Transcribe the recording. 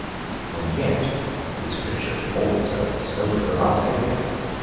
And yet this Richard called himself a soldier of Our Saviour!